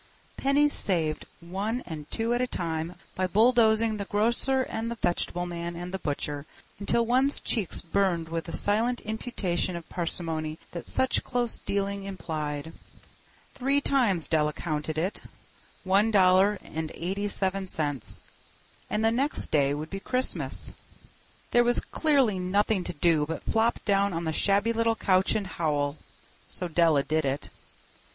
Pennies saved one and two at a time by bulldozing the grocer and the vegetable man and the butcher until one's cheeks burned with the silent imputation of parsimony that such close dealing implied. Three times Della counted it. One dollar and eighty seven cents. And the next day would be Christmas. There was clearly nothing to do but flop down on the shabby little couch and howl. So Della did it.